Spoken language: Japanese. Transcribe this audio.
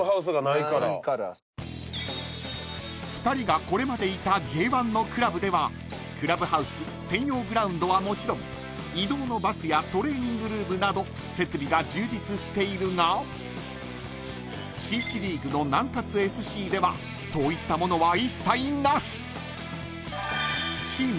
［２人がこれまでいたＪ１のクラブではクラブハウス専用グラウンドはもちろん移動のバスやトレーニングルームなど設備が充実しているが地域リーグの南ＳＣではそういったものは一切なし］